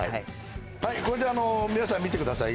はいこれで皆さん見てください